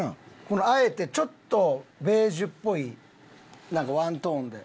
このあえてちょっとベージュっぽいなんかワントーンで。